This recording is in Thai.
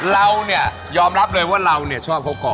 เราเนี่ยยอมรับเลยว่าเราเนี่ยชอบเขาก่อน